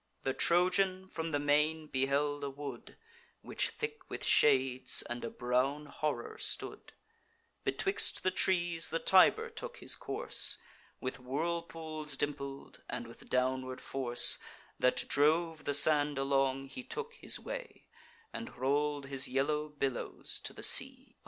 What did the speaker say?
The Trojan, from the main, beheld a wood, Which thick with shades and a brown horror stood: Betwixt the trees the Tiber took his course, With whirlpools dimpled; and with downward force, That drove the sand along, he took his way, And roll'd his yellow billows to the sea.